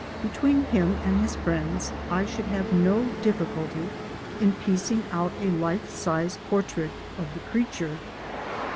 Between him and his friends I should have no difficulty in piecing out a life size portrait of the creature.